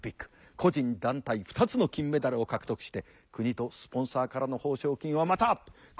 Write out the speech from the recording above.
個人団体２つの金メダルを獲得して国とスポンサーからの報奨金はまた今度は５，０００万円が贈られた。